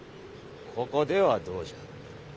ここではどうじゃ？